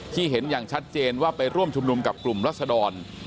เห็นอย่างชัดเจนว่าไปร่วมชุมนุมกับกลุ่มรัศดร